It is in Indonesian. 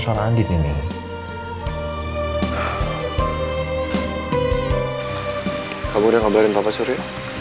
buat aku ingredensi